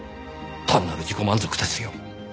単なる自己満足ですよ。